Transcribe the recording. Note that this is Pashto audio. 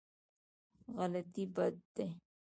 غلطي بد دی.